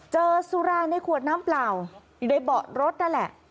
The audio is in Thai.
เจอสุราในขวดน้ำเปล่ายังได้เบาะรถนั่นแหละ